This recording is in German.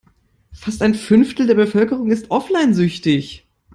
Fast ein Fünftel der Bevölkerung ist offline-süchtig.